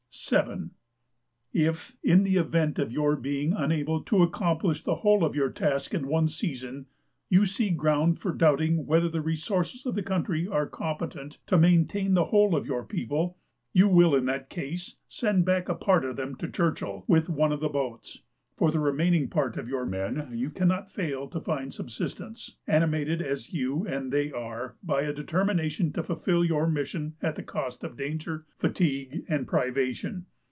"7. If, in the event of your being unable to accomplish the whole of your task in one season, you see ground for doubting whether the resources of the country are competent to maintain the whole of your people, you will in that case send back a part of them to Churchill with one of the boats. For the remaining part of your men you cannot fail to find subsistence, animated as you and they are by a determination to fulfil your mission at the cost of danger, fatigue, and privation.